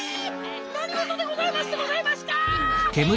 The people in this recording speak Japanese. なにごとでございますでございますか？